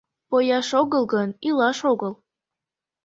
Пояш огыл гын, илаш огыл.